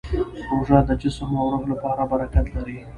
روژه د جسم او روح لپاره برکت لري.